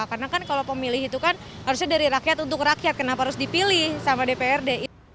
karena kan kalau pemilih itu kan harusnya dari rakyat untuk rakyat kenapa harus dipilih sama dprd